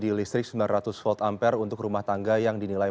tim liputan cnn indonesia